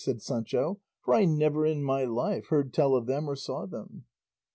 asked Sancho, "for I never in my life heard tell of them or saw them."